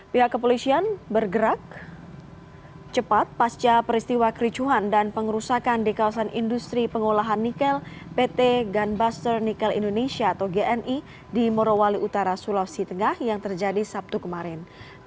pihak kepolisian bergerak cepat pasca peristiwa kericuhan dan pengerusakan di kawasan industri pengolahan nikel pt gunbuster nikel indonesia atau gni di morowali utara sulawesi tengah yang terjadi sabtu kemarin